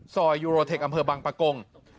ซอยยูโรเทคอำเภอบังปะกง